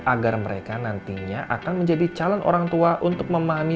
agar mereka nantinya akan menjadi calon orang tua untuk memahami